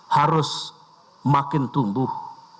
harus makin tumbuh